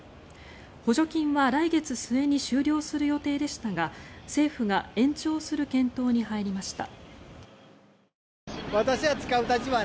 補助金は来月末に終了する予定でしたが政府が延長する検討に入りました。